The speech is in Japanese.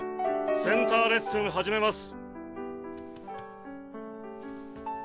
センターレッスン始めます。